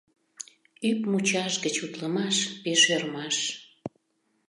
Ӱп мучаш гыч утлымаш пеш ӧрмаш...